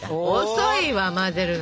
遅いわ混ぜるの！